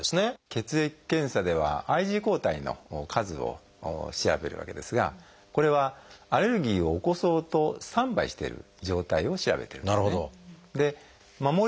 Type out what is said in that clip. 血液検査ではＩｇＥ抗体の数を調べるわけですがこれはアレルギーを起こそうとスタンバイしてる状態を調べてるんですね。